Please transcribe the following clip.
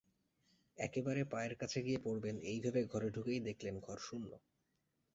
একেবারে পায়ের কাছে গিয়ে পড়বেন এই ভেবে ঘরে ঢুকেই দেখলেন ঘর শূন্য।